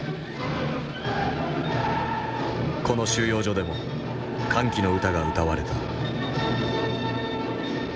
この収容所でも「歓喜の歌」が歌われた。